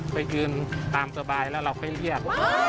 ไปยืนตามสบายแล้วเราค่อยเรียก